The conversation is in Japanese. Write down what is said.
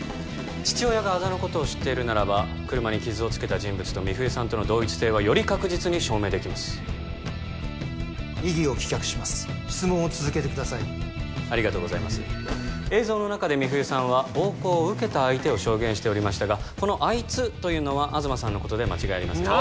父親がアザのことを知っているならば車に傷をつけた人物と美冬さんとの同一性はより確実に証明できます異議を棄却します質問を続けてくださいありがとうございます映像の中で美冬さんは暴行を受けた相手を証言しておりましたがこの「アイツ」というのは東さんのことで間違いありませんね？